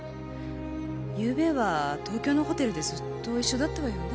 ゆうべは東京のホテルでずっと一緒だったわよね？